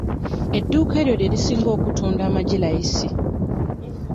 Edduuka eryo lye lisinga okutunda amagi layisi.